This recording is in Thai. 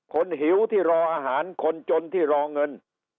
หิวที่รออาหารคนจนที่รอเงิน